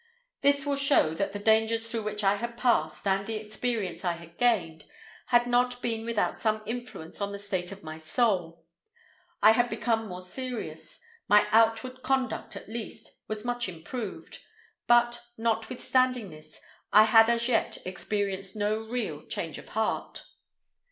This will show that the dangers through which I had passed, and the experience I had gained, had not been without some influence on the state of my soul. I had become more serious, my outward conduct, at least, was much improved; but, notwithstanding this, I had as yet experienced no real change of heart.